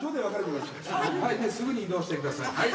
はいすぐに移動してください。